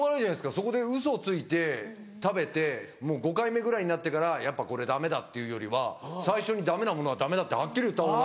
そこでウソついて食べてもう５回目ぐらいになってからやっぱこれダメだって言うよりは最初にダメなものはダメだってはっきり言ったほうが。